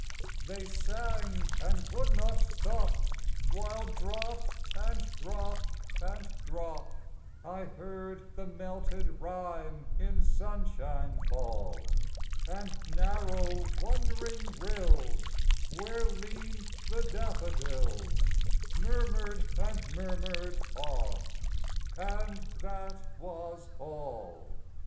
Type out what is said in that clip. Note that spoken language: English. They sang, and would not stop, While drop, and drop, and drop, I heard the melted rime in sunshine fall: And narrow wandering rills Where leaned the daffodils, Murmured and murmured on, and that was all.